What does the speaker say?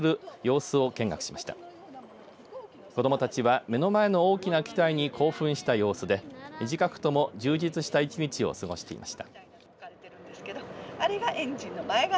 子どもたちは目の前の大きな機体に興奮した様子で短くとも充実した１日を過ごしていました。